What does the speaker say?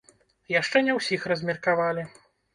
Яшчэ не ўсіх размеркавалі.